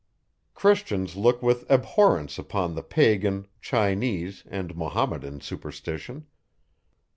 Christians look with abhorrence upon the Pagan, Chinese, and Mahometan superstition.